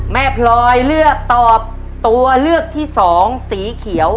พลอยเลือกตอบตัวเลือกที่สองสีเขียว